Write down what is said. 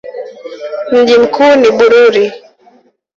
Mji mkuu ni Bururi.